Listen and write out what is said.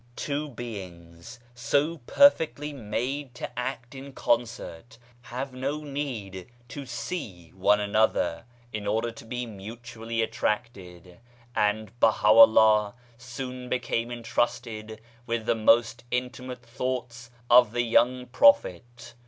Two beings so 48 BAHAISM perfectly made to act in concert have no need to see one another in order to be mutually attracted, and BahaVllah soon became entrusted with the most intimate thoughts of the young Prophet.